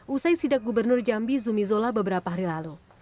usai sidak gubernur jambi zumi zola beberapa hari lalu